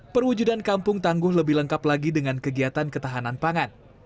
perwujudan kampung tangguh lebih lengkap lagi dengan kegiatan ketahanan pangan